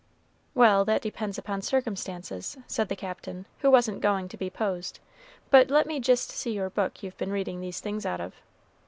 "Well, that depends upon circumstances," said the Captain, who wasn't going to be posed; "but let me jist see your book you've been reading these things out of."